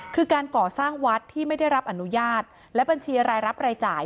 คือการก่อสร้างวัดที่ไม่ได้รับอนุญาตและบัญชีรายรับรายจ่าย